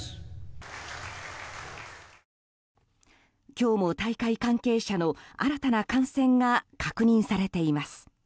今日も大会関係者の新たな感染が確認されています。